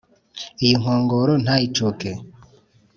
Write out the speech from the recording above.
Iyi nkongoro ntayicuke,